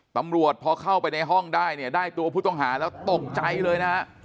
ตำรวจพอเข้าไปในห้องได้เนี่ยได้ตัวผู้ต้องหาแล้วตกใจเลยนะฮะ